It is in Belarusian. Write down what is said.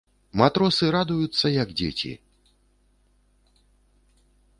Матросы радуюцца, як дзеці.